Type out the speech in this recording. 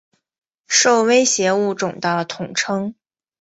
受威胁物种的统称。